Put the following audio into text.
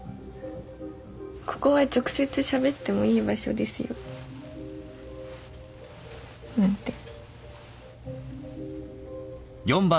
ここは直接しゃべってもいい場所ですよ。なんて。